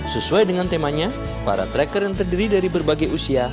sesuai dengan temanya para tracker yang terdiri dari berbagai usia